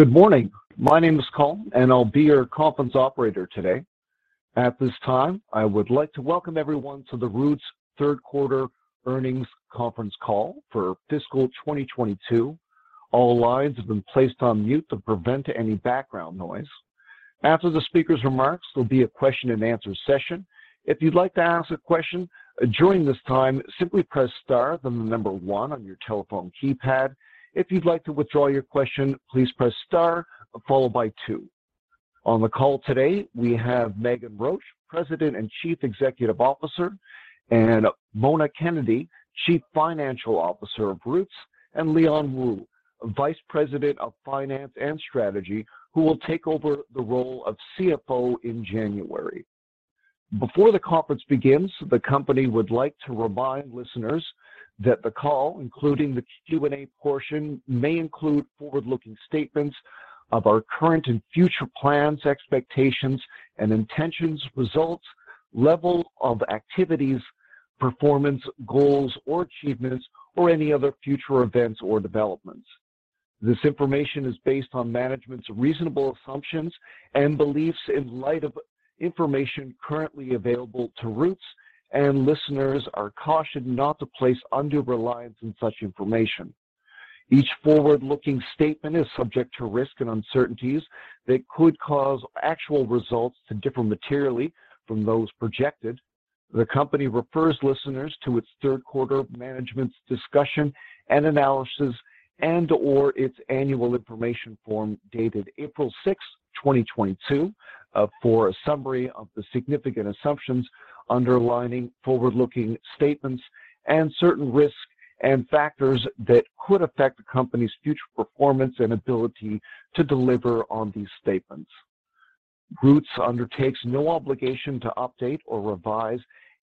Good morning. My name is Colin, and I'll be your conference operator today. At this time, I would like to welcome everyone to The Roots Q3 Earnings Conference Call for Fiscal 2022. All lines have been placed on mute to prevent any background noise. After the speaker's remarks, there'll be a question and answer session. If you'd like to ask a question during this time, simply press star, then the number one on your telephone keypad. If you'd like to withdraw your question, please press star followed by two. On the call today, we have Meghan Roach, President and Chief Executive Officer, and Mona Kennedy, Chief Financial Officer of Roots, and Leon Wu, Vice President of Finance and Strategy, who will take over the role of CFO in January. Before the conference begins, the company would like to remind listeners that the call, including the Q&A portion, may include forward-looking statements of our current and future plans, expectations and intentions, results, level of activities, performance, goals or achievements, or any other future events or developments. This information is based on management's reasonable assumptions and beliefs in light of information currently available to Roots. Listeners are cautioned not to place undue reliance on such information. Each forward-looking statement is subject to risk and uncertainties that could cause actual results to differ materially from those projected. The company refers listeners to its Q3 management's discussion and analysis and/or its annual information form dated April 6, 2022, for a summary of the significant assumptions underlining forward-looking statements and certain risks and factors that could affect the company's future performance and ability to deliver on these statements. Roots undertakes no obligation to update or revise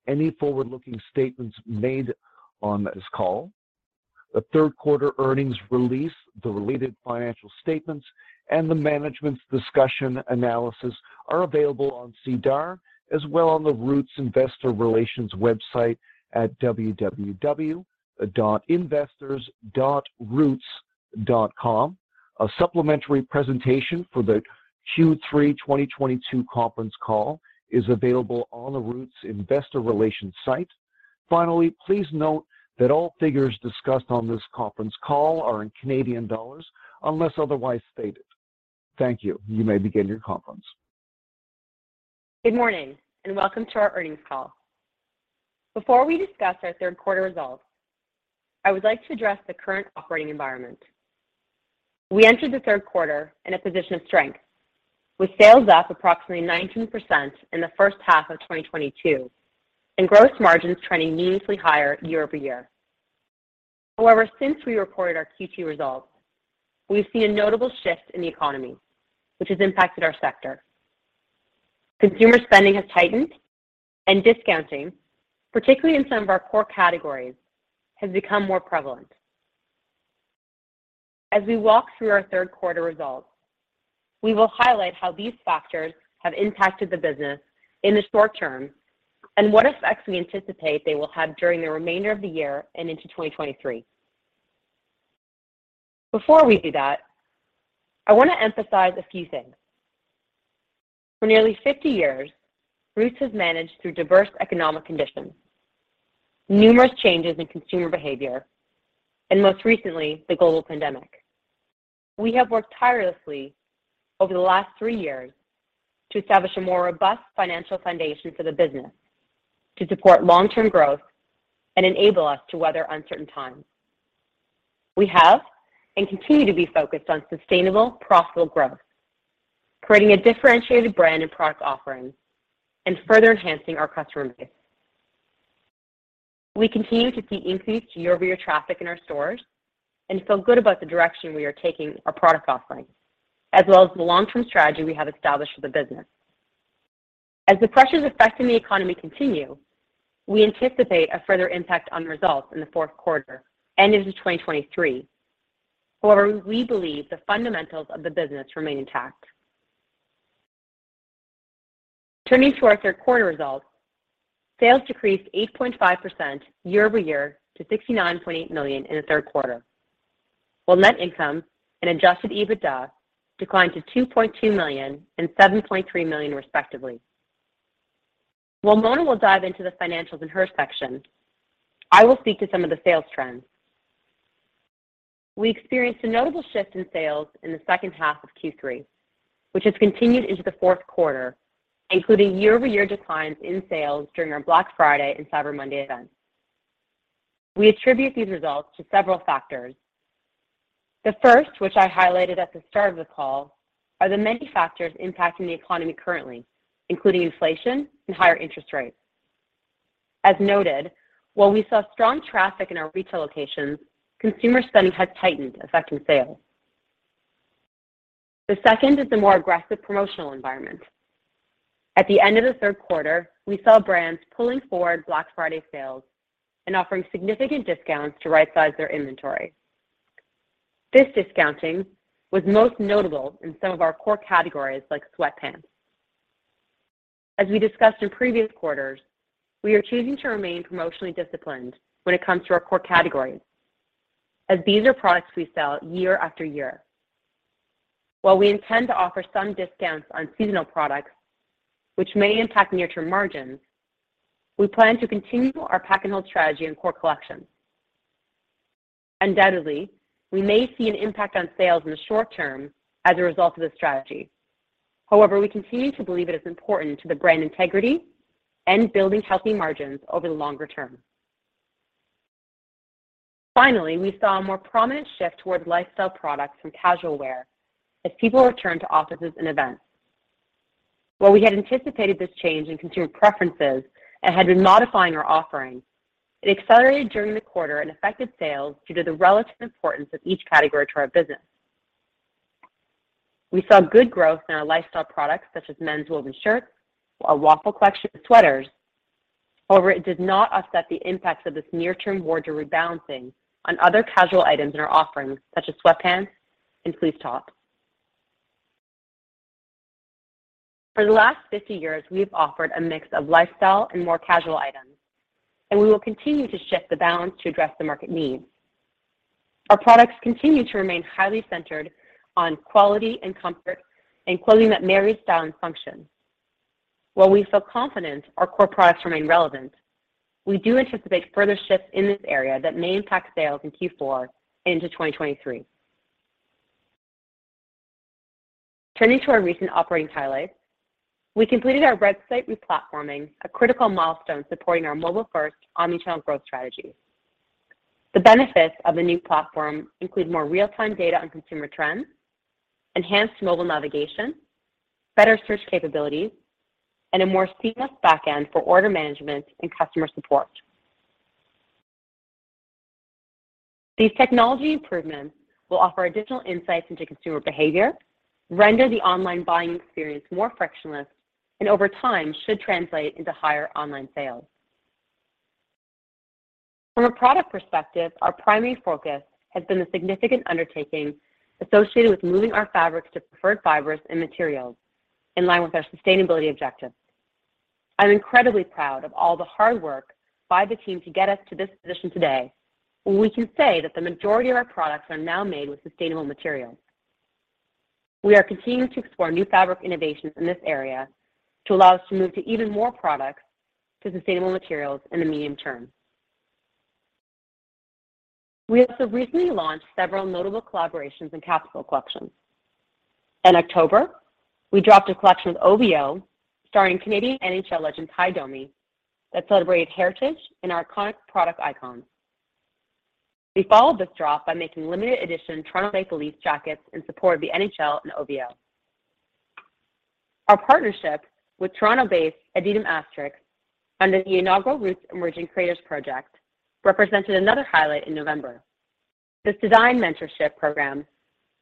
any forward-looking statements made on this call. The Q3 earnings release, the related financial statements and the management's discussion analysis are available on SEDAR as well on the Roots investor relations website at www.investors.roots.com. A supplementary presentation for the Q3 2022 conference call is available on the Roots investor relations site. Finally, please note that all figures discussed on this conference call are in Canadian dollars unless otherwise stated. Thank you. You may begin your conference. Good morning and welcome to our earnings call. Before we discuss our Q3 results, I would like to address the current operating environment. We entered the Q3 in a position of strength, with sales up approximately 19% in the first half of 2022 and gross margins trending meaningfully higher year-over-year. However, since we reported our Q2 results, we've seen a notable shift in the economy which has impacted our sector. Consumer spending has tightened and discounting, particularly in some of our core categories, has become more prevalent. As we walk through our Q3 results, we will highlight how these factors have impacted the business in the short term and what effects we anticipate they will have during the remainder of the year and into 2023. Before we do that, I want to emphasize a few things. For nearly 50 years, Roots has managed through diverse economic conditions, numerous changes in consumer behavior, and most recently, the global pandemic. We have worked tirelessly over the last three years to establish a more robust financial foundation for the business to support long-term growth and enable us to weather uncertain times. We have and continue to be focused on sustainable, profitable growth, creating a differentiated brand and product offering, and further enhancing our customer base. We continue to see increased year-over-year traffic in our stores and feel good about the direction we are taking our product offering, as well as the long-term strategy we have established for the business. As the pressures affecting the economy continue, we anticipate a further impact on results in the Q4 and into 2023. However, we believe the fundamentals of the business remain intact. Turning to our Q3 results, sales decreased 8.5% year-over-year to 69.8 million in the Q3, while net income and adjusted EBITDA declined to 2.2 million and 7.3 million, respectively. While Mona will dive into the financials in her section, I will speak to some of the sales trends. We experienced a notable shift in sales in the second half of Q3, which has continued into the Q4, including year-over-year declines in sales during our Black Friday and Cyber Monday events. We attribute these results to several factors. The first, which I highlighted at the start of the call, are the many factors impacting the economy currently, including inflation and higher interest rates. As noted, while we saw strong traffic in our retail locations, consumer spending has tightened, affecting sales. The second is the more aggressive promotional environment. At the end of the Q3, we saw brands pulling forward Black Friday sales and offering significant discounts to right-size their inventory. This discounting was most notable in some of our core categories like sweatpants. As we discussed in previous quarters, we are choosing to remain promotionally disciplined when it comes to our core categories, as these are products we sell year after year. While we intend to offer some discounts on seasonal products, which may impact near-term margins, we plan to continue our pack-and-hold strategy in core collections. Undoubtedly, we may see an impact on sales in the short term as a result of this strategy. We continue to believe it is important to the brand integrity and building healthy margins over the longer term. Finally, we saw a more prominent shift toward lifestyle products from casual wear as people return to offices and events. While we had anticipated this change in consumer preferences and had been modifying our offerings, it accelerated during the quarter and affected sales due to the relative importance of each category to our business. We saw good growth in our lifestyle products, such as men's woven shirts, our Waffle Collection sweaters. However, it did not offset the impacts of this near-term wardrobe rebalancing on other casual items in our offerings, such as sweatpants and sleeve tops. For the last 50 years, we have offered a mix of lifestyle and more casual items, and we will continue to shift the balance to address the market needs. Our products continue to remain highly centered on quality and comfort and clothing that marries style and function. While we feel confident our core products remain relevant, we do anticipate further shifts in this area that may impact sales in Q4 into 2023. Turning to our recent operating highlights, we completed our website re-platforming, a critical milestone supporting our mobile-first omnichannel growth strategy. The benefits of the new platform include more real-time data on consumer trends, enhanced mobile navigation, better search capabilities, and a more seamless backend for order management and customer support. These technology improvements will offer additional insights into consumer behavior, render the online buying experience more frictionless, and over time, should translate into higher online sales. From a product perspective, our primary focus has been the significant undertaking associated with moving our fabrics to preferred fibers and materials in line with our sustainability objectives. I'm incredibly proud of all the hard work by the team to get us to this position today, where we can say that the majority of our products are now made with sustainable materials. We are continuing to explore new fabric innovations in this area to allow us to move to even more products to sustainable materials in the medium term. We also recently launched several notable collaborations and capsule collections. In October, we dropped a collection with OVO starring Canadian NHL legend Tie Domi that celebrated heritage and our iconic product icons. We followed this drop by making limited edition Toronto Maple Leafs jackets in support of the NHL and OVO. Our partnership with Toronto-based Adidem Asterisks under the inaugural Roots Emerging Creators Project represented another highlight in November. This design mentorship program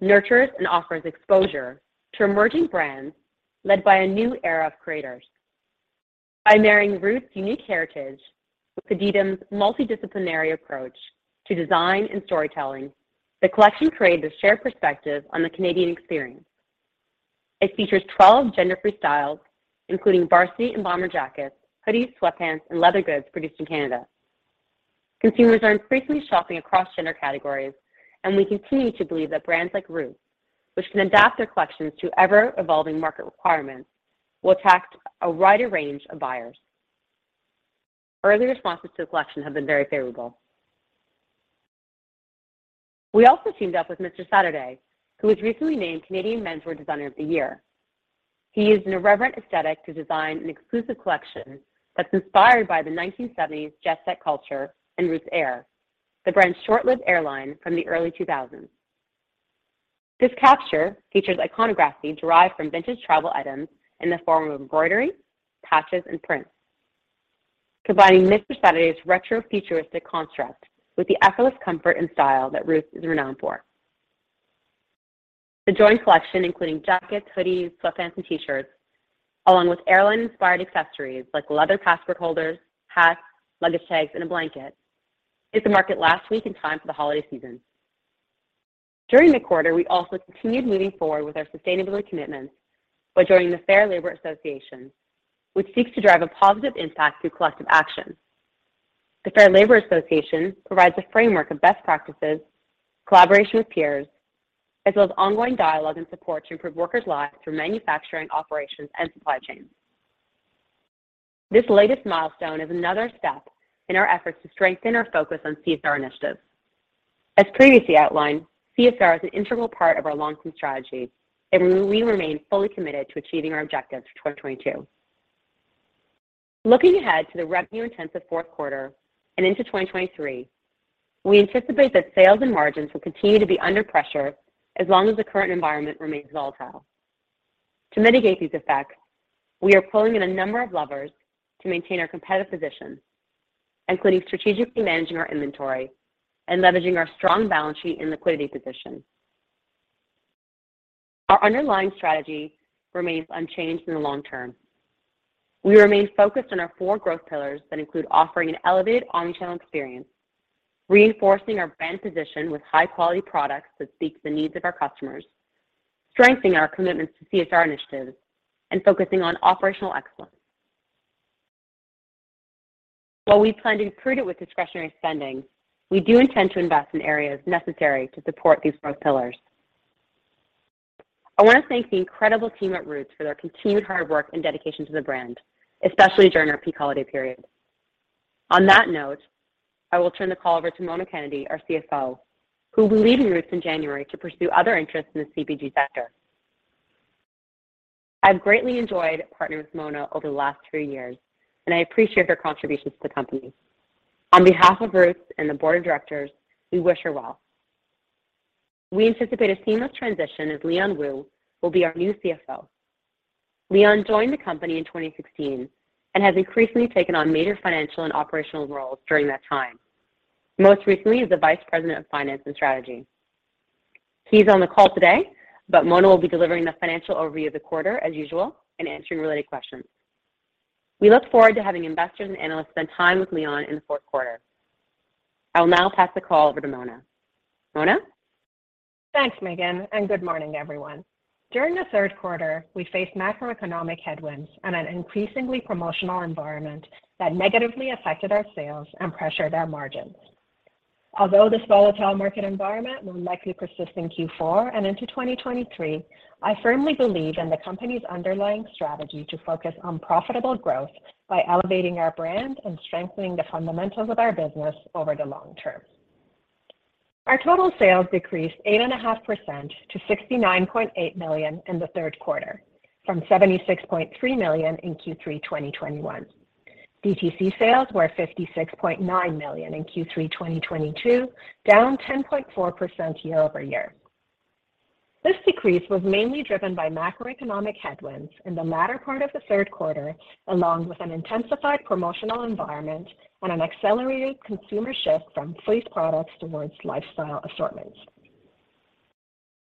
nurtures and offers exposure to emerging brands led by a new era of creators. By marrying Roots' unique heritage with Adidem's multidisciplinary approach to design and storytelling, the collection created a shared perspective on the Canadian experience. It features 12 gender-free styles, including varsity and bomber jackets, hoodies, sweatpants, and leather goods produced in Canada. Consumers are increasingly shopping across gender categories, and we continue to believe that brands like Roots, which can adapt their collections to ever-evolving market requirements, will attract a wider range of buyers. Early responses to the collection have been very favorable. We also teamed up with Mr. Saturday, who was recently named Canadian Menswear Designer of the Year. He used an irreverent aesthetic to design an exclusive collection that's inspired by the 1970s jet set culture and Roots Air, the brand's short-lived airline from the early 2000s. This capture features iconography derived from vintage travel items in the form of embroidery, patches, and prints, combining Mr. Saturday's retro futuristic construct with the effortless comfort and style that Roots is renowned for. The joint collection, including jackets, hoodies, sweatpants, and T-shirts, along with airline-inspired accessories like leather passport holders, hats, luggage tags, and a blanket, hit the market last week in time for the holiday season. During the quarter, we also continued moving forward with our sustainability commitments by joining the Fair Labor Association, which seeks to drive a positive impact through collective action. The Fair Labor Association provides a framework of best practices, collaboration with peers, as well as ongoing dialogue and support to improve workers' lives through manufacturing, operations, and supply chains. This latest milestone is another step in our efforts to strengthen our focus on CSR initiatives. As previously outlined, CSR is an integral part of our long-term strategy, and we remain fully committed to achieving our objectives for 2022. Looking ahead to the revenue-intensive Q4 and into 2023, we anticipate that sales and margins will continue to be under pressure as long as the current environment remains volatile. To mitigate these effects, we are pulling in a number of levers to maintain our competitive position, including strategically managing our inventory and leveraging our strong balance sheet and liquidity position. Our underlying strategy remains unchanged in the long term. We remain focused on our four growth pillars that include offering an elevated omnichannel experience, reinforcing our brand position with high-quality products that meet the needs of our customers, strengthening our commitment to CSR initiatives, and focusing on operational excellence. While we plan to be prudent with discretionary spending, we do intend to invest in areas necessary to support these four pillars. I want to thank the incredible team at Roots for their continued hard work and dedication to the brand, especially during our peak holiday period. On that note, I will turn the call over to Mona Kennedy, our CFO, who will be leaving Roots in January to pursue other interests in the CPG sector. I've greatly enjoyed partnering with Mona over the last three years, and I appreciate her contributions to the company. On behalf of Roots and the board of directors, we wish her well. We anticipate a seamless transition as Leon Wu will be our new CFO. Leon joined the company in 2016 and has increasingly taken on major financial and operational roles during that time, most recently as the Vice President of Finance and Strategy. He's on the call today, Mona will be delivering the financial overview of the quarter as usual and answering related questions. We look forward to having investors and analysts spend time with Leon in the Q4. I will now pass the call over to Mona. Mona? Thanks, Meghan, good morning, everyone. During the Q3, we faced macroeconomic headwinds and an increasingly promotional environment that negatively affected our sales and pressured our margins. Although this volatile market environment will likely persist in Q4 and into 2023, I firmly believe in the company's underlying strategy to focus on profitable growth by elevating our brand and strengthening the fundamentals of our business over the long term. Our total sales decreased 8.5% to 69.8 million in the Q3, from 76.3 million in Q3 2021. DTC sales were 56.9 million in Q3 2022, down 10.4% year-over-year. This decrease was mainly driven by macroeconomic headwinds in the latter part of the Q3, along with an intensified promotional environment and an accelerated consumer shift from fleece products towards lifestyle assortments.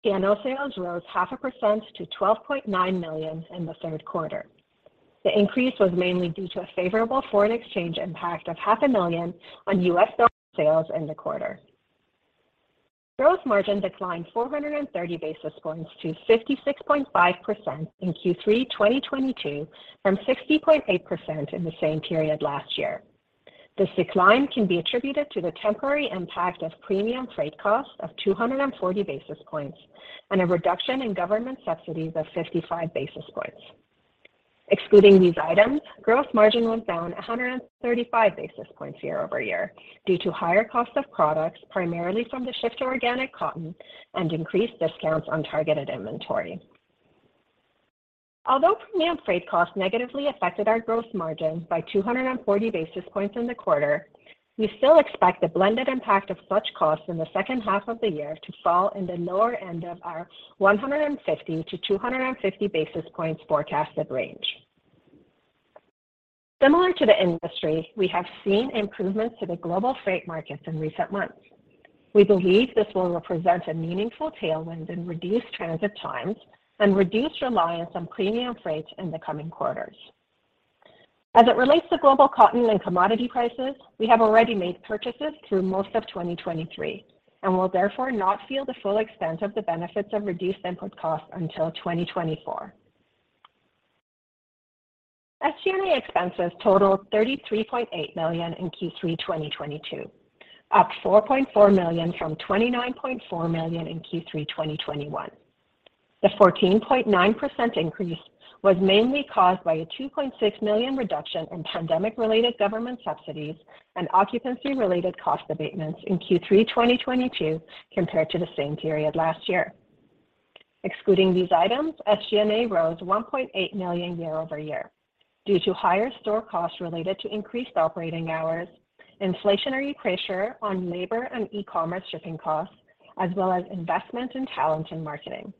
Channel sales rose 0.5% to 12.9 million in Q3. The increase was mainly due to a favorable foreign exchange impact of half a million on US dollar sales in the quarter. Gross margin declined 430 basis points to 56.5% in Q3 2022 from 60.8% in the same period last year. This decline can be attributed to the temporary impact of premium freight costs of 240 basis points and a reduction in government subsidies of 55 basis points. Excluding these items, gross margin was down 135 basis points year-over-year due to higher cost of products, primarily from the shift to organic cotton and increased discounts on targeted inventory. Although premium freight costs negatively affected our gross margin by 240 basis points in the quarter, we still expect the blended impact of such costs in the second half of the year to fall in the lower end of our 150-250 basis points forecasted range. Similar to the industry, we have seen improvements to the global freight markets in recent months. We believe this will represent a meaningful tailwind in reduced transit times and reduced reliance on premium freight in the coming quarters. As it relates to global cotton and commodity prices, we have already made purchases through most of 2023 and will therefore not feel the full extent of the benefits of reduced input costs until 2024. SG&A expenses totaled CAD 33.8 million in Q3 2022, up CAD 4.4 million from CAD 29.4 million in Q3 2021. The 14.9% increase was mainly caused by a 2.6 million reduction in pandemic-related government subsidies and occupancy-related cost abatements in Q3 2022 compared to the same period last year. Excluding these items, SG&A rose 1.8 million year-over-year due to higher store costs related to increased operating hours, inflationary pressure on labor and e-commerce shipping costs, as well as investment in talent and marketing.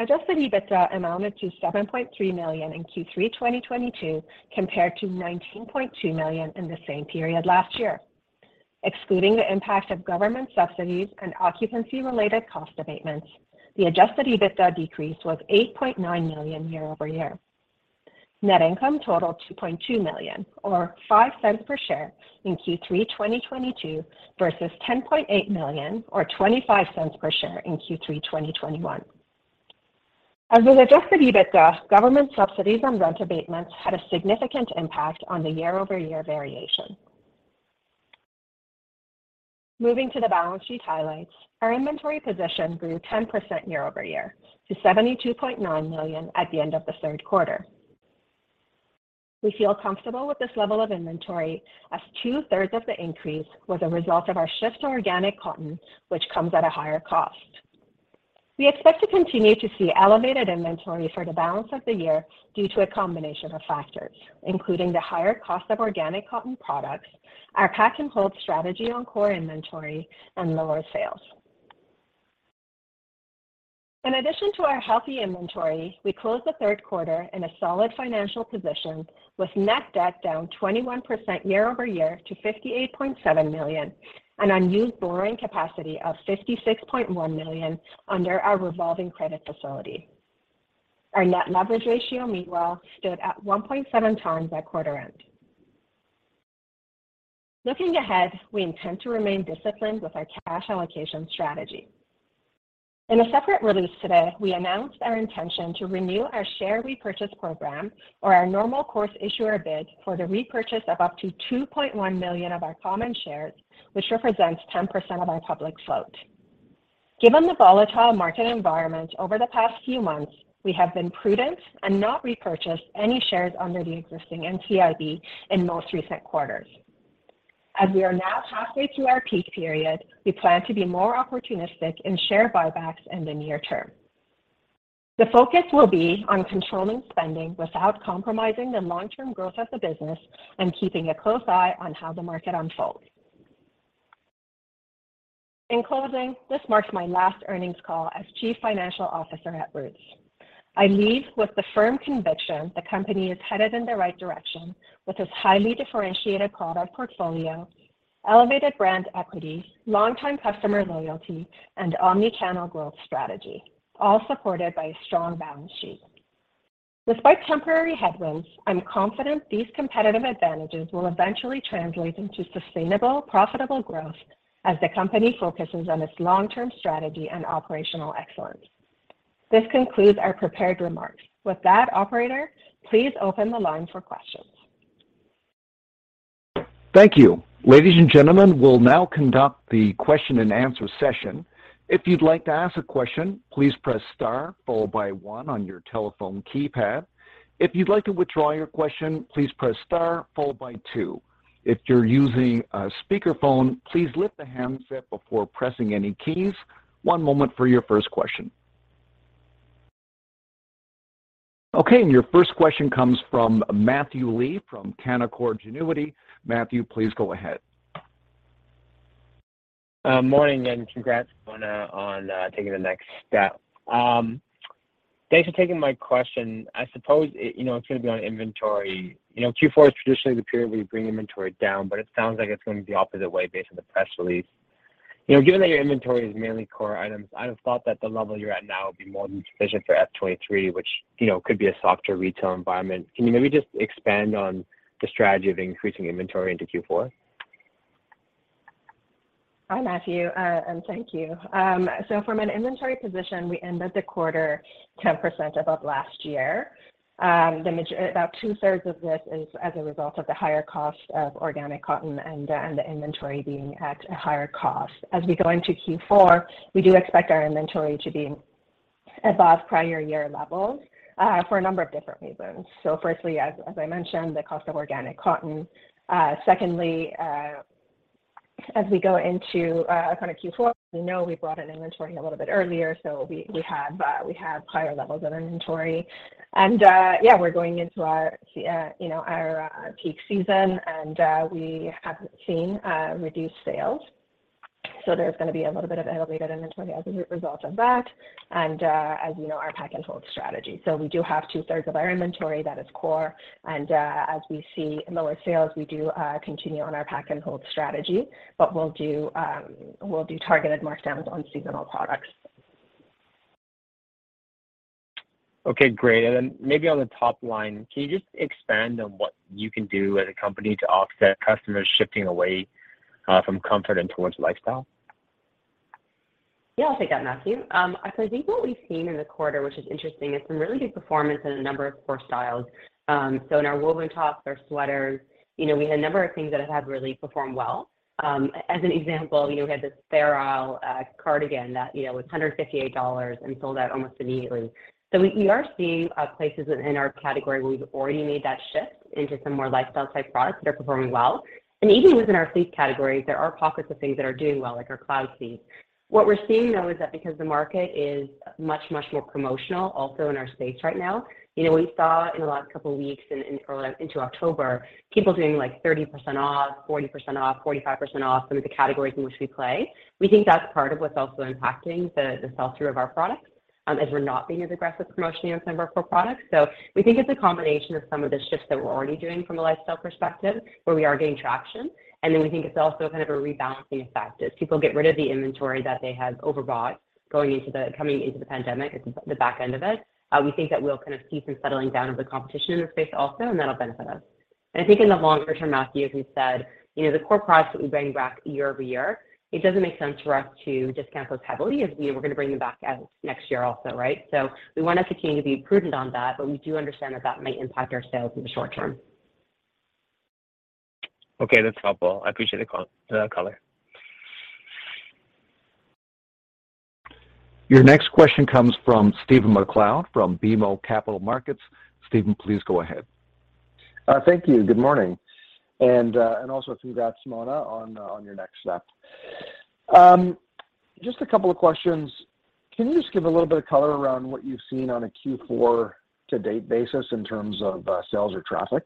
Adjusted EBITDA amounted to 7.3 million in Q3 2022 compared to 19.2 million in the same period last year. Excluding the impact of government subsidies and occupancy-related cost abatements, the adjusted EBITDA decrease was 8.9 million year-over-year. Net income totaled 2.2 million or 0.05 per share in Q3 2022 versus 10.8 million or 0.25 per share in Q3 2021. As with adjusted EBITDA, government subsidies and rent abatements had a significant impact on the year-over-year variation. Moving to the balance sheet highlights, our inventory position grew 10% year-over-year to 72.9 million at the end of the Q3. We feel comfortable with this level of inventory as two-thirds of the increase was a result of our shift to organic cotton, which comes at a higher cost. We expect to continue to see elevated inventory for the balance of the year due to a combination of factors, including the higher cost of organic cotton products, our pack-and-hold strategy on core inventory, and lower sales. In addition to our healthy inventory, we closed the Q3 in a solid financial position with net debt down 21% year-over-year to 58.7 million and unused borrowing capacity of 56.1 million under our revolving credit facility. Our net leverage ratio meanwhile stood at 1.7x at quarter end. Looking ahead, we intend to remain disciplined with our cash allocation strategy. In a separate release today, we announced our intention to renew our share repurchase program or our normal course issuer bid for the repurchase of up to 2.1 million of our common shares, which represents 10% of our public float. Given the volatile market environment over the past few months, we have been prudent and not repurchased any shares under the existing NCIB in most recent quarters. We are now halfway through our peak period, we plan to be more opportunistic in share buybacks in the near term. The focus will be on controlling spending without compromising the long-term growth of the business and keeping a close eye on how the market unfolds. In closing, this marks my last earnings call as Chief Financial Officer at Roots. I leave with the firm conviction the company is headed in the right direction with its highly differentiated product portfolio, elevated brand equity, longtime customer loyalty and omni-channel growth strategy, all supported by a strong balance sheet. Despite temporary headwinds, I'm confident these competitive advantages will eventually translate into sustainable, profitable growth as the company focuses on its long-term strategy and operational excellence. This concludes our prepared remarks. Operator, please open the line for questions. Thank you. Ladies and gentlemen, we'll now conduct the question and answer session. If you'd like to ask a question, please press star followed by one on your telephone keypad. If you'd like to withdraw your question, please press star followed by two. If you're using a speakerphone, please lift the handset before pressing any keys. One moment for your first question. Okay, your first question comes from Matthew Lee from Canaccord Genuity. Matthew, please go ahead. Morning, and congrats, Mona, on taking the next step. Thanks for taking my question. I suppose you know, it's gonna be on inventory. You know, Q4 is traditionally the period where you bring inventory down, but it sounds like it's going to be opposite way based on the press release. You know, given that your inventory is mainly core items, I'd have thought that the level you're at now would be more than sufficient for F23, which, you know, could be a softer retail environment. Can you maybe just expand on the strategy of increasing inventory into Q4? Hi, Matthew, thank you. From an inventory position, we ended the quarter 10% above last year. About two-thirds of this is as a result of the higher cost of organic cotton and the inventory being at a higher cost. As we go into Q4, we do expect our inventory to be above prior year levels for a number of different reasons. Firstly, as I mentioned, the cost of organic cotton. Secondly, as we go into kind of Q4, we know we brought in inventory a little bit earlier, so we have higher levels of inventory. Yeah, we're going into our, you know, our peak season and we haven't seen reduced sales. There's gonna be a little bit of elevated inventory as a result of that and, as you know, our pack-and-hold strategy. We do have two-thirds of our inventory that is core and, as we see lower sales, we do continue on our pack-and-hold strategy. We'll do targeted markdowns on seasonal products. Okay, great. Then maybe on the top line, can you just expand on what you can do as a company to offset customers shifting away from comfort and towards lifestyle? Yeah, I'll take that, Matthew. I think what we've seen in the quarter, which is interesting, is some really good performance in a number of core styles. In our woven tops, our sweaters, you know, we had a number of things that have really performed well. As an example, you know, we had this Farrow cardigan that, you know, was 158 dollars and sold out almost immediately. We, we are seeing places in our category where we've already made that shift into some more lifestyle type products that are performing well. And even within our sleep categories, there are pockets of things that are doing well, like our cloud sleep. What we're seeing, though, is that because the market is much, much more promotional also in our space right now, you know, we saw in the last couple of weeks or into October, people doing, like, 30% off, 40% off, 45% off some of the categories in which we play. We think that's part of what's also impacting the sell-through of our products, is we're not being as aggressive promotionally on some of our core products. We think it's a combination of some of the shifts that we're already doing from a lifestyle perspective, where we are gaining traction. We think it's also kind of a rebalancing effect as people get rid of the inventory that they had overbought coming into the pandemic at the back end of it. We think that we'll kind of see some settling down of the competition in the space also, and that'll benefit us. I think in the longer term, Matthew, as we said, you know, the core products that we bring back year-over-year, it doesn't make sense for us to discount those heavily as we know we're gonna bring them back out next year also, right? We want to continue to be prudent on that, but we do understand that that might impact our sales in the short term. Okay, that's helpful. I appreciate the color. Your next question comes from Stephen MacLeod from BMO Capital Markets. Stephen, please go ahead. Thank you. Good morning. Also congrats, Mona Kennedy, on your next step. Just a couple of questions. Can you just give a little bit of color around what you've seen on a Q4 to date basis in terms of sales or traffic?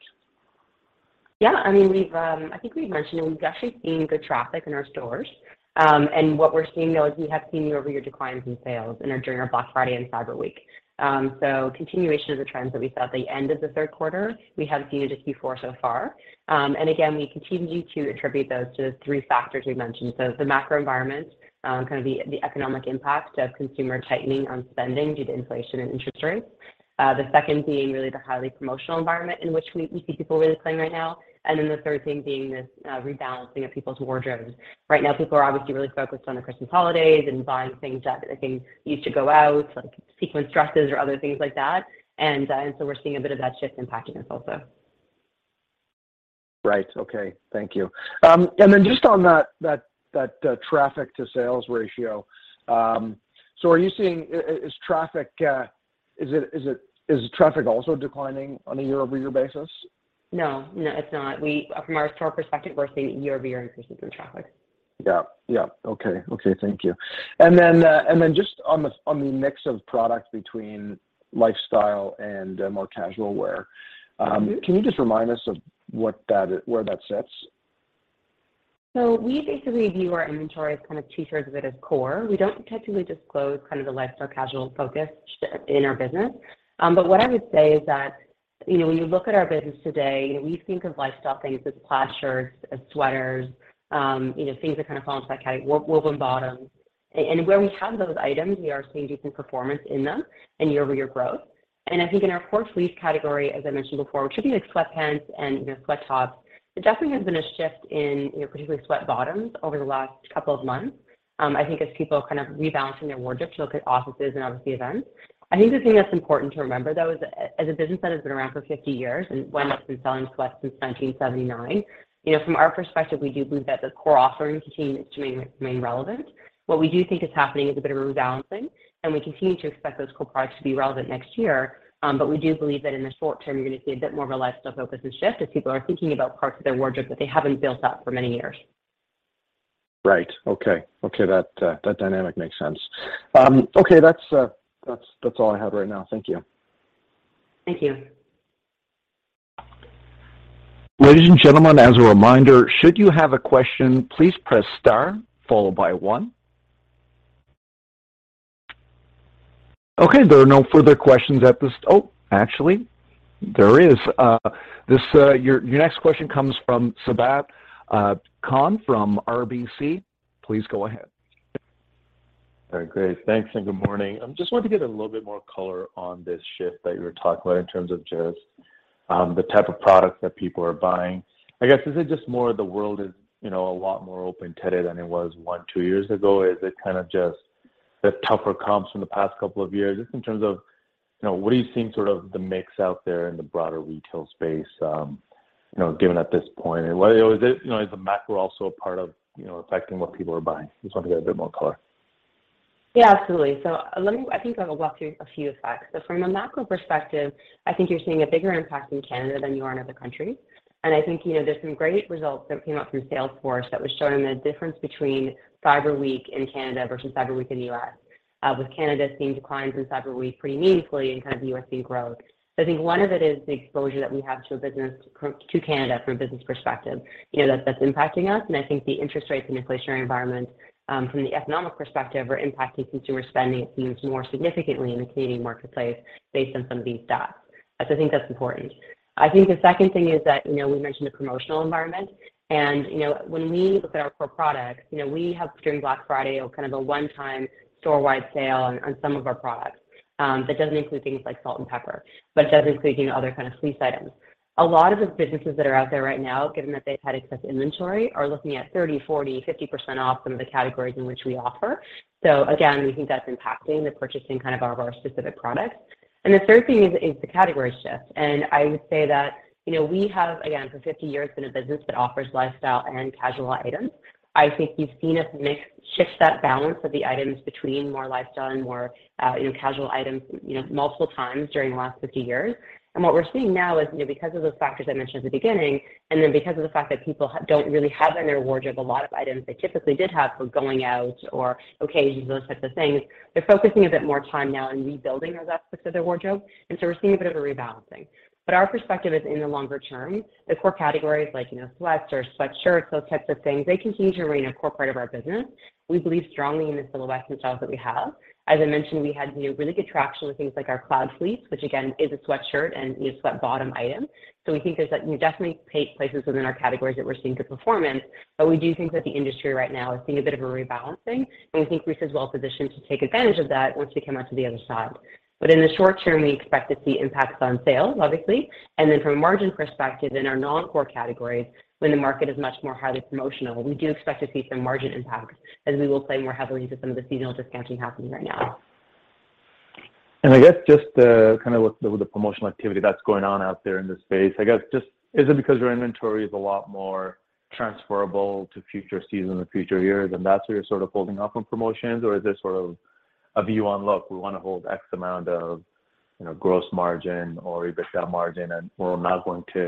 Yeah. I mean, we've, I think we've mentioned that we've actually seen good traffic in our stores. What we're seeing though is we have seen year-over-year declines in sales during our Black Friday and Cyber Week. Continuation of the trends that we saw at the end of the Q3, we have seen it just before so far. Again, we continue to attribute those to the three factors we've mentioned. The macro environment, kind of the economic impact of consumer tightening on spending due to inflation and interest rates. The second being really the highly promotional environment in which we see people really playing right now. The third thing being this rebalancing of people's wardrobes. Right now, people are obviously really focused on the Christmas holidays and buying things that they think used to go out, like sequin dresses or other things like that. We're seeing a bit of that shift impacting us also. Right. Okay. Thank you. Just on that traffic to sales ratio, Is traffic, is it, is traffic also declining on a year-over-year basis? No. No, it's not. From our store perspective, we're seeing year-over-year increases in traffic. Yeah. Yeah. Okay. Okay, thank you. Then just on the mix of product between lifestyle and more casual wear, can you just remind us of where that sits? We basically view our inventory as kind of two-thirds of it as core. We don't particularly disclose kind of the lifestyle, casual focus in our business. What I would say is that, you know, when you look at our business today, you know, we think of lifestyle things as plaid shirts, as sweaters, you know, things that kind of fall into that category, woolen bottoms. Where we have those items, we are seeing decent performance in them in year-over-year growth. I think in our core fleece category, as I mentioned before, which would be like sweatpants and, you know, sweat tops, there definitely has been a shift in, you know, particularly sweat bottoms over the last couple of months, I think as people are kind of rebalancing their wardrobe to look at offices and obviously events. I think the thing that's important to remember, though, is as a business that has been around for 50 years, and Roots been selling sweats since 1979, you know, from our perspective, we do believe that the core offering continues to remain relevant. What we do think is happening is a bit of a rebalancing, and we continue to expect those core products to be relevant next year. We do believe that in the short term, you're gonna see a bit more of a lifestyle focus and shift as people are thinking about parts of their wardrobe that they haven't built out for many years. Right. Okay. Okay, that dynamic makes sense. Okay, that's all I have right now. Thank you. Thank you. Ladies and gentlemen, as a reminder, should you have a question, please press star followed by one. There are no further questions. Actually, there is. Your next question comes from Sabahat Khan from RBC. Please go ahead. All right, great. Thanks. Good morning. I just wanted to get a little bit more color on this shift that you were talking about in terms of just the type of products that people are buying. I guess, is it just more the world is, you know, a lot more open-ended than it was one, two years ago? Is it kinda just the tougher comps from the past couple of years? Just in terms of, you know, what are you seeing sort of the mix out there in the broader retail space, you know, given at this point? Is it, you know, is the macro also a part of, you know, affecting what people are buying? Just want to get a bit more color. Absolutely. I think I'll walk through a few effects. From a macro perspective, I think you're seeing a bigger impact in Canada than you are in other countries. I think, you know, there's some great results that came out from Salesforce that was showing the difference between Cyber Week in Canada versus Cyber Week in the U.S., with Canada seeing declines in Cyber Week pretty meaningfully and kind of the U.S. seeing growth. I think one of it is the exposure that we have to Canada from a business perspective. You know, that's impacting us, I think the interest rates and inflationary environment from the economic perspective are impacting consumer spending, it seems, more significantly in the Canadian marketplace based on some of these stats. I think that's important. I think the second thing is that, you know, we mentioned the promotional environment. You know, when we look at our core products, you know, we have, during Black Friday, kind of a one-time storewide sale on some of our products. That doesn't include things like Salt & Pepper, it does include, you know, other kind of fleece items. A lot of the businesses that are out there right now, given that they've had excess inventory, are looking at 30%, 40%, 50% off some of the categories in which we offer. Again, we think that's impacting the purchasing of our specific products. The third thing is the category shift. I would say that, you know, we have, again, for 50 years, been a business that offers lifestyle and casual items. I think you've seen us shift that balance of the items between more lifestyle and more, you know, casual items, you know, multiple times during the last 50 years. What we're seeing now is, you know, because of those factors I mentioned at the beginning, and then because of the fact that people don't really have in their wardrobe a lot of items they typically did have for going out or occasions or those types of things, they're focusing a bit more time now on rebuilding those aspects of their wardrobe. We're seeing a bit of a rebalancing. Our perspective is in the longer term. The core categories like, you know, sweats or sweatshirts, those types of things, they continue to remain a core part of our business. We believe strongly in the silhouettes and styles that we have. As I mentioned, we had, you know, really good traction with things like our Cloud Fleece, which again is a sweatshirt and a sweat bottom item. We think there's definitely places within our categories that we're seeing good performance. We do think that the industry right now is seeing a bit of a rebalancing, and we think Roots is well positioned to take advantage of that once we come out to the other side. In the short term, we expect to see impacts on sales, obviously. From a margin perspective, in our non-core categories, when the market is much more highly promotional, we do expect to see some margin impact as we will play more heavily to some of the seasonal discounting happening right now. I guess just, kind of with the, with the promotional activity that's going on out there in this space. Is it because your inventory is a lot more transferable to future seasons and future years, and that's where you're sort of holding off on promotions? Or is this sort of a view on, look, we wanna hold X amount of, you know, gross margin or EBITDA margin, and we're not going to,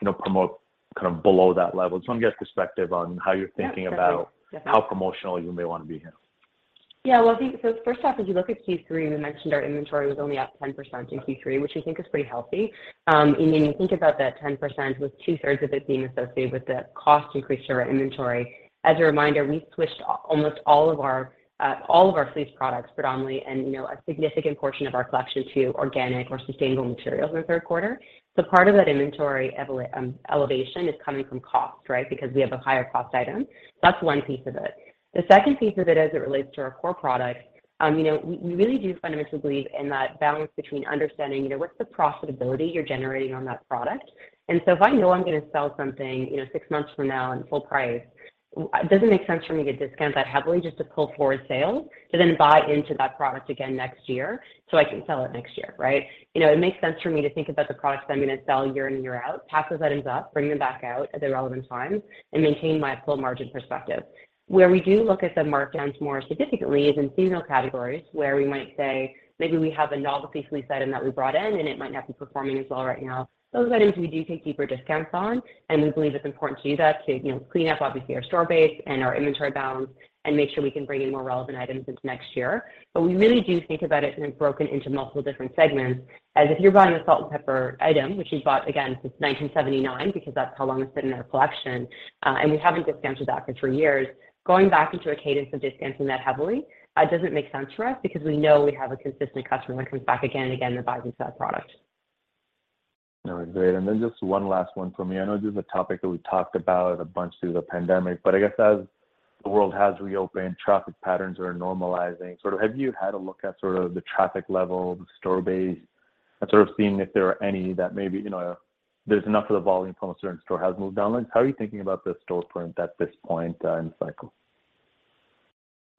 you know, promote kind of below that level? Just want to get perspective on how you're thinking about. Yeah. how promotional you may wanna be here. I think first off, as you look at Q3, we mentioned our inventory was only up 10% in Q3, which we think is pretty healthy. When you think about that 10% with two-thirds of it being associated with the cost increase to our inventory, as a reminder, we switched almost all of our all of our fleece products predominantly and, you know, a significant portion of our collection to organic or sustainable materials in the Q3. Part of that inventory elevation is coming from cost, right? Because we have a higher cost item. That's one piece of it. The second piece of it as it relates to our core product, you know, we really do fundamentally believe in that balance between understanding, you know, what's the profitability you're generating on that product. If I know I'm gonna sell something, you know, six months from now in full price, it doesn't make sense for me to discount that heavily just to pull forward sales to then buy into that product again next year so I can sell it next year, right? It makes sense for me to think about the products that I'm gonna sell year in and year out, pack those items up, bring them back out at the relevant time, and maintain my full margin perspective. Where we do look at the markdowns more significantly is in seasonal categories where we might say maybe we have a novelty fleece item that we brought in and it might not be performing as well right now. Those items we do take deeper discounts on. We believe it's important to do that to, you know, clean up obviously our store base and our inventory balance and make sure we can bring in more relevant items into next year. We really do think about it kind of broken into multiple different segments as if you're buying a Salt & Pepper item, which we've bought again since 1979 because that's how long it's been in our collection, and we haven't discounted that for years. Going back into a cadence of discounting that heavily, doesn't make sense for us because we know we have a consistent customer that comes back again and again and buys into that product. All right. Great. Just one last one for me. I know this is a topic that we talked about a bunch through the pandemic, but I guess as the world has reopened, traffic patterns are normalizing, sort of have you had a look at sort of the traffic level, the store base, and sort of seeing if there are any that maybe, you know, there's enough of the volume from a certain store has moved online? How are you thinking about the store footprint at this point in the cycle?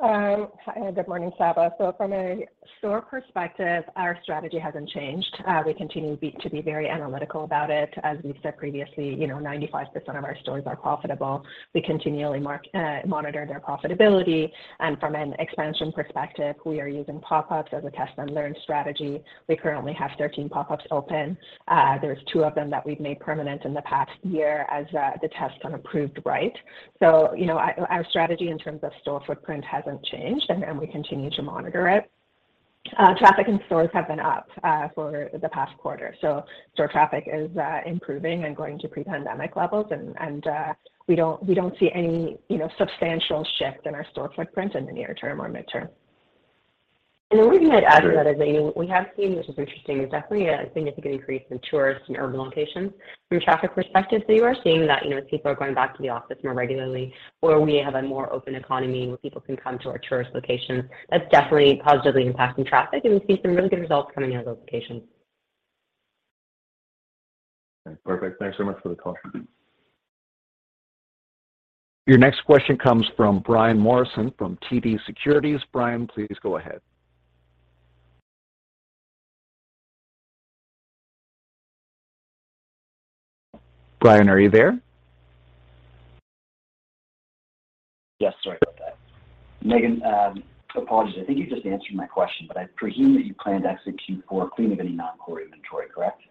Hi, good morning, Sabahat. From a store perspective, our strategy hasn't changed. We continue to be very analytical about it. As we've said previously, you know, 95% of our stores are profitable. We continually monitor their profitability. From an expansion perspective, we are using pop-ups as a test and learn strategy. We currently have 13 pop-ups open. There's two of them that we've made permanent in the past year as the tests kind of proved right. You know, our strategy in terms of store footprint hasn't changed, and we continue to monitor it. Traffic in stores have been up for the past quarter. Store traffic is improving and going to pre-pandemic levels, and we don't see any, you know, substantial shift in our store footprint in the near term or mid-term. The only thing I'd add to that is that we have seen, which is interesting, is definitely a significant increase in tourists in urban locations from a traffic perspective. You are seeing that, you know, people are going back to the office more regularly, or we have a more open economy where people can come to our tourist locations. That's definitely positively impacting traffic, and we see some really good results coming out of those locations. Perfect. Thanks so much for the color. Your next question comes from Brian Morrison from TD Securities. Brian, please go ahead. Brian, are you there? Yes, sorry about that. Meghan, apologies. I think you just answered my question, but I presume that you plan to execute for clean of any non-core inventory, correct?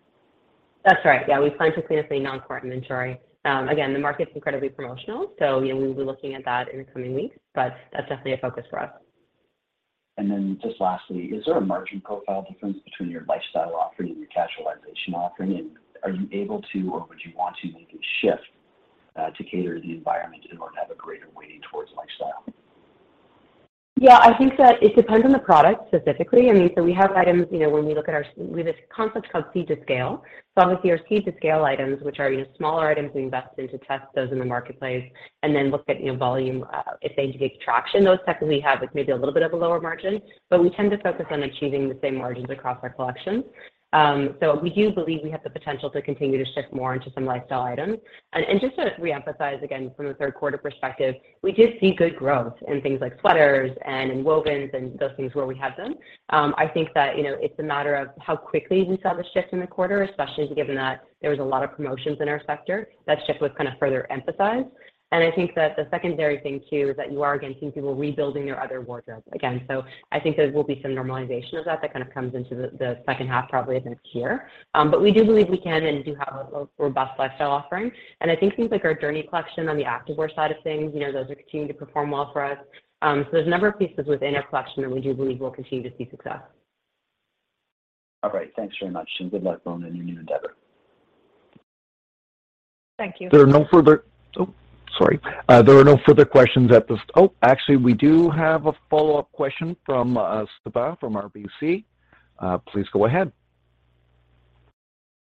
That's right. Yeah. We plan to clean up any non-core inventory. Again, the market's incredibly promotional, so, you know, we'll be looking at that in the coming weeks, but that's definitely a focus for us. Just lastly, is there a margin profile difference between your lifestyle offering and your casualization offering? Are you able to or would you want to make a shift to cater to the environment in order to have a greater weighting towards lifestyle? I think that it depends on the product specifically. I mean, we have items, you know, when we look at our. We have this concept called seed to scale. Obviously our seed to scale items, which are, you know, smaller items we invest in to test those in the marketplace and then look at, you know, volume if they gain traction. Those technically have like maybe a little bit of a lower margin, but we tend to focus on achieving the same margins across our collection. We do believe we have the potential to continue to shift more into some lifestyle items. Just to reemphasize again from the Q3 perspective, we did see good growth in things like sweaters and in wovens and those things where we have them. I think that, you know, it's a matter of how quickly we saw the shift in the quarter, especially given that there was a lot of promotions in our sector. That shift was kind of further emphasized. I think that the secondary thing too is that you are again seeing people rebuilding their other wardrobes again. I think there will be some normalization of that kind of comes into the second half probably of next year. We do believe we can and do have a robust lifestyle offering. I think things like our Journey Collection on the activewear side of things, you know, those are continuing to perform well for us. There's a number of pieces within our collection that we do believe will continue to see success. All right. Thanks very much. Good luck Mona on your new endeavor. Thank you. There are no further. Oh, sorry. There are no further questions at this. Actually, we do have a follow-up question from Saba from RBC. Please go ahead.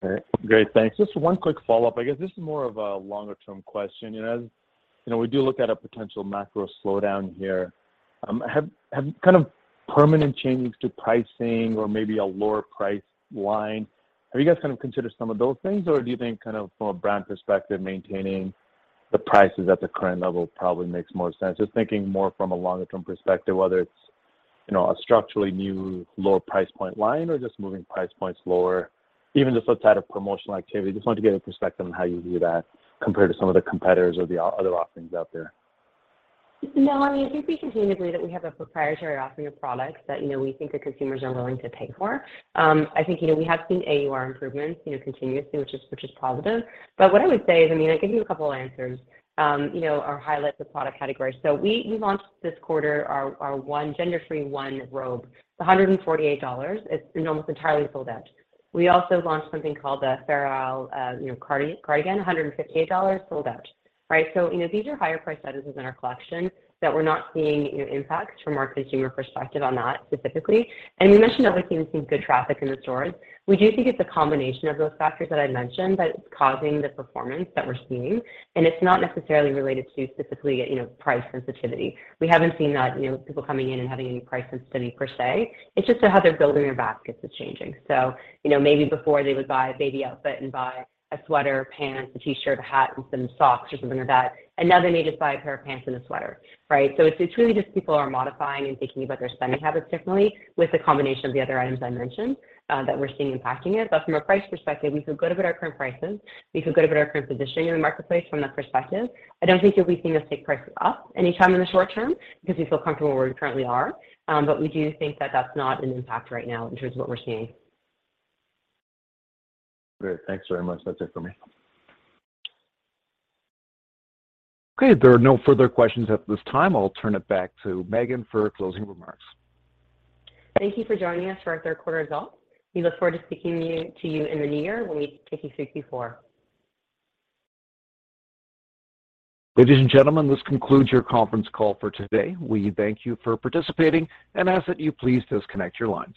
All right. Great. Thanks. Just one quick follow-up. I guess this is more of a longer term question. You know, as, you know, we do look at a potential macro slowdown here, have kind of permanent changes to pricing or maybe a lower price line. Have you guys kind of considered some of those things, or do you think kind of from a brand perspective, maintaining the prices at the current level probably makes more sense? Just thinking more from a longer term perspective, whether it's, you know, a structurally new lower price point line or just moving price points lower, even just outside of promotional activity. Just wanted to get a perspective on how you view that compared to some of the competitors or the other offerings out there. No, I mean, I think we continue to believe that we have a proprietary offering of products that, you know, we think the consumers are willing to pay for. I think, you know, we have seen AUR improvements, you know, continuously, which is, which is positive. What I would say is, I mean, I'll give you a couple of answers, you know, or highlight the product category. We launched this quarter our gender-free One Robe. It's $148. It's been almost entirely sold out. We also launched something called the Farrow, you know, cardigan, $158, sold out, right? These are higher priced items within our collection that we're not seeing, you know, impact from our consumer perspective on that specifically. We mentioned that we've seen some good traffic in the stores. We do think it's a combination of those factors that I mentioned that's causing the performance that we're seeing. It's not necessarily related to specifically, you know, price sensitivity. We haven't seen that, you know, people coming in and having any price sensitivity per se. It's just how they're building their baskets is changing. You know, maybe before they would buy a baby outfit and buy a sweater, pants, a T-shirt, a hat and some socks or something like that. Now they may just buy a pair of pants and a sweater, right? It's, it's really just people are modifying and thinking about their spending habits differently with the combination of the other items I mentioned that we're seeing impacting it. From a price perspective, we feel good about our current prices. We feel good about our current positioning in the marketplace from that perspective. I don't think you'll be seeing us take prices up anytime in the short term because we feel comfortable where we currently are. We do think that that's not an impact right now in terms of what we're seeing. Great. Thanks very much. That's it for me. Okay. If there are no further questions at this time, I'll turn it back to Megan for closing remarks. Thank you for joining us for our Q3 results. We look forward to speaking to you in the new year when we take you through Q4. Ladies and gentlemen, this concludes your conference call for today. We thank you for participating and ask that you please disconnect your lines.